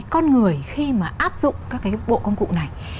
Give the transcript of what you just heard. con người khi mà áp dụng các cái bộ công cụ này